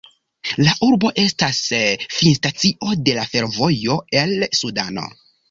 La urbo estas finstacio de la fervojo el Sudano.